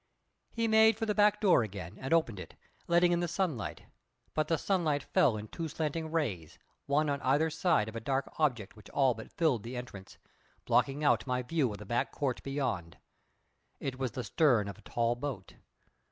He made for the back door again, and opened it, letting in the sunlight; but the sunlight fell in two slanting rays, one on either side of a dark object which all but filled the entrance, blocking out my view of the back court beyond. It was the stern of a tall boat.